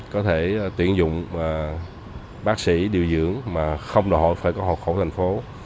có thể tuyển dụng bác sĩ điều dưỡng mà không đòi phải có hộ khẩu thành phố